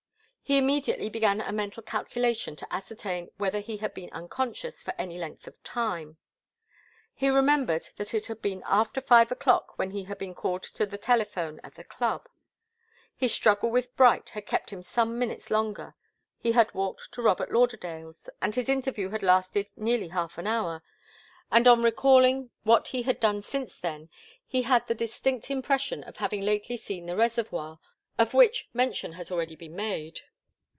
He immediately began a mental calculation to ascertain whether he had been unconscious for any length of time. He remembered that it had been after five o'clock when he had been called to the telephone at the club. His struggle with Bright had kept him some minutes longer, he had walked to Robert Lauderdale's, and his interview had lasted nearly half an hour, and on recalling what he had done since then he had that distinct impression of having lately seen the reservoir, of which mention has already been made.